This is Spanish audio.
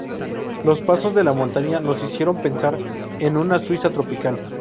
Los pasos de la montaña nos hicieron pensar en una Suiza tropical.